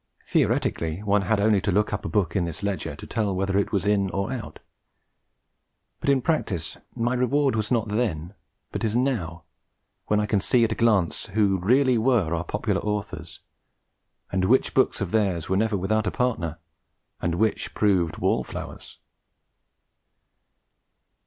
Theoretically, one had only to look up a book in this ledger to tell whether it was in or out; but in practice my reward was not then, but is now, when I can see at a glance who really were our popular authors, and which books of theirs were never without a partner, and which proved wall flowers.